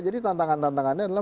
jadi tantangan tantangannya adalah